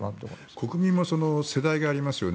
国民も世代がありますよね